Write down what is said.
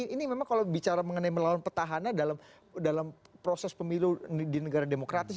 ini memang kalau bicara mengenai melawan petahana dalam proses pemilu di negara demokratis